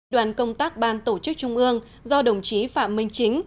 đoàn công tác ban tổ chức trung ương do đồng chí phạm minh chính